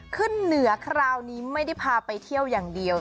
ขึ้นเหนือคราวนี้ไม่ได้พาไปเที่ยวอย่างเดียว